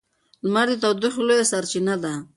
لمر د تودوخې لویه سرچینه ده.